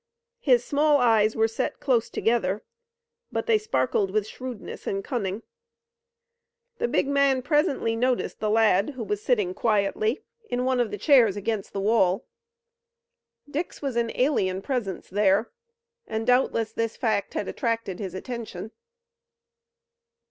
His small eyes were set close together, but they sparkled with shrewdness and cunning. The big man presently noticed the lad who was sitting quietly in one of the chairs against the wall. Dick's was an alien presence there, and doubtless this fact had attracted his attention.